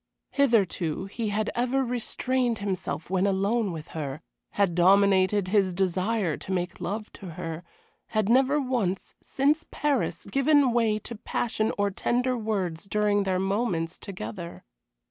Hitherto he had ever restrained himself when alone with her, had dominated his desire to make love to her; had never once, since Paris, given way to passion or tender words during their moments together.